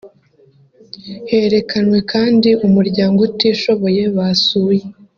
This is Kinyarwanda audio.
Herekanwe kandi umuryango utishoboye basuye